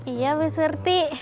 iya bu serti